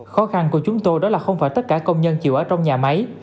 khó khăn của chúng tôi đó là không phải tất cả công nhân chịu ở trong nhà máy